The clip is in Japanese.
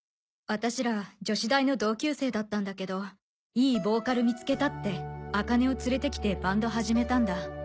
私ら女子大の同級生だったんだけどいいボーカル見つけたって朱音を連れてきてバンド始めたんだ。